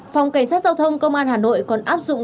phòng cảnh sát giao thông công an hà nội còn áp dụng